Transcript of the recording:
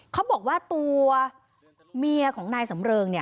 เขาบอกว่าตัวเมียของนายสำเริง